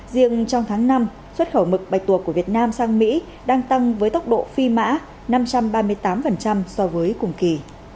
riêng trong tháng năm xuất khẩu mực bạch tuộc của việt nam sang mỹ đang tăng với tốc độ phi mã năm trăm ba mươi tám so với cùng kỳ